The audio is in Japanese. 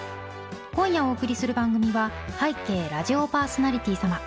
今夜お送りする番組は「拝啓・ラジオパーソナリティー様」。